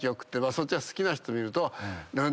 そっちが好きな人を見ると。